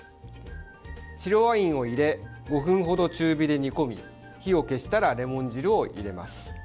白ワインを入れ５分程、中火で煮込み火を消したらレモン汁を入れます。